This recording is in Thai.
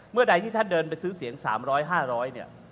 เมื่อใดที่ท่านเดินไปซื้อเสียง๓๐๐๕๐๐เนี่ย